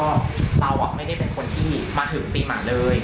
ก็เราไม่ได้เป็นคนที่มาถึงปีใหม่เลย